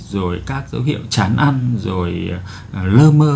rồi các dấu hiệu chán ăn rồi lơ mơ